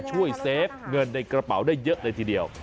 เซฟเงินในกระเป๋าได้เยอะเลยทีเดียว